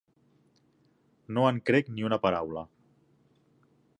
No en crec ni una paraula.